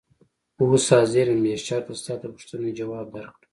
اوس حاضر یم بې شرطه ستا د پوښتنې ځواب درکړم.